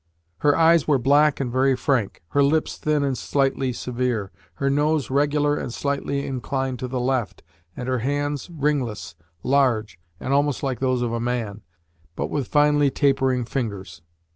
Her eyes were black and very frank, her lips thin and slightly severe, her nose regular and slightly inclined to the left, and her hands ringless, large, and almost like those of a man, but with finely tapering fingers.